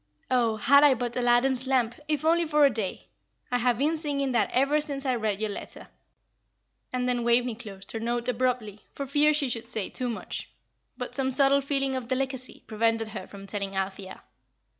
'Oh, had I but Aladdin's lamp, if only for a day!' I have been singing that ever since I read your letter." And then Waveney closed her note abruptly, for fear she should say too much; but some subtle feeling of delicacy prevented her from telling Althea.